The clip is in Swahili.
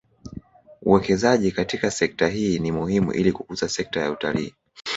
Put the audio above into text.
Uwekezaji katika sekta hii ni muhimu ili kukuza sekta ya utalii